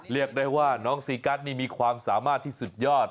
เรียกได้ว่าน้องซีกัสนี่มีความสามารถที่สุดยอด